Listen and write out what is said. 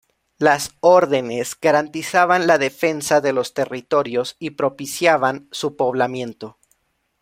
Las Órdenes garantizaban la defensa de los territorios y propiciaban su poblamiento.